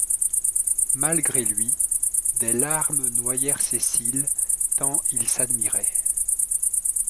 Malgré lui, des larmes noyèrent ses cils, tant il s'admirait.